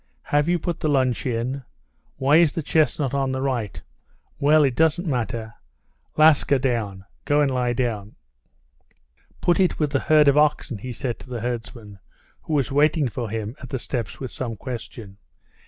"Have you put the lunch in? Why is the chestnut on the right? Well, it doesn't matter. Laska, down; go and lie down!" "Put it with the herd of oxen," he said to the herdsman, who was waiting for him at the steps with some question.